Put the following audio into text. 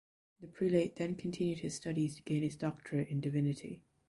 The prelate then continued his studies to gain his Doctorate in Divinity.